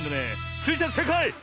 スイちゃんせいかい！